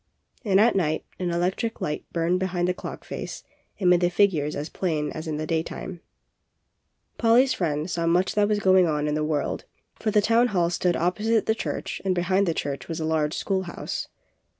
And at night an electric light burned behind the clock face and made the figures as plain as in the daytime. 58 POLLY'S CLOCK. Polly's friend saw much that was going on in the world, for the town hall stood oppo site the church and behind the church was a large schoolhouse.